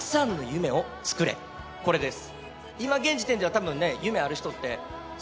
これです。